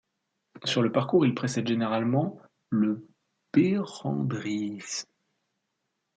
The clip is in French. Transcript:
Sur le parcours, il précède généralement le Berendries.